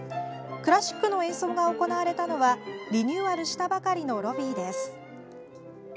クラシックの演奏が行われたのはリニューアルしたばかりのロビーです。